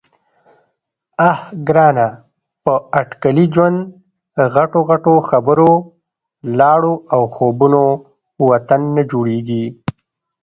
_اه ګرانه! په اټکلي ژوند، غټو غټو خبرو، لاړو او خوبونو وطن نه جوړېږي.